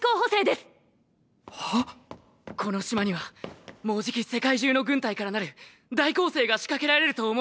この島にはもうじき世界中の軍隊からなる大攻勢が仕掛けられると思われます！